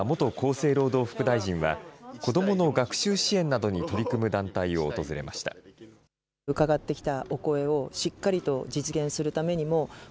生労働副大臣は、子どもの学習支援などに取り組む団体を訪れました。